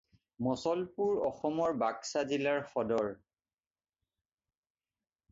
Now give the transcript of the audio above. মুছলপুৰ অসমৰ বাক্সা জিলাৰ সদৰ।